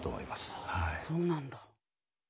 そうなんだ。